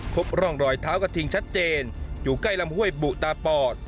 พบร่องรอยเท้ากระทิงชัดเจนอยู่ใกล้ลำห้วยบุตาปอด